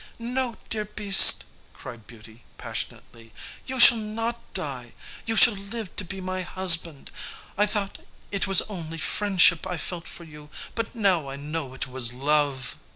"No, dear beast," cried Beauty, passionately, "you shall not die; you shall live to be my husband! I thought it was only friendship I felt for you, but now I know it was love."